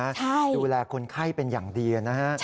ใช่ใช่ค่ะดูแลคนไข้เป็นอย่างดี